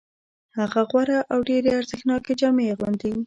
هغه غوره او ډېرې ارزښتناکې جامې اغوندي